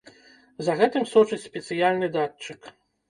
За гэтым сочыць спецыяльны датчык.